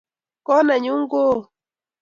kot nenyu ko oo.